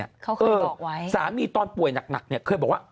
นี่แบบสามีตอนป่วยหนักเคยบอกว่า